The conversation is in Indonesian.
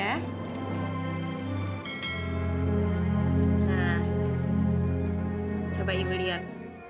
nah coba ibu lihat